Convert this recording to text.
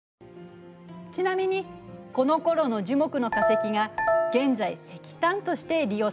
ちなみにこのころの樹木の化石が現在石炭として利用されているのよ。